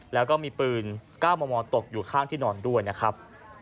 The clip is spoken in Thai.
แล้วก็มีปืน๙มมตกอยู่ข้างที่นอนด้วยนะครับ